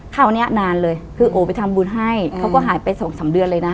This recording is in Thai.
คราวนี้นานเลยคือโอไปทำบุญให้เขาก็หายไปสองสามเดือนเลยนะ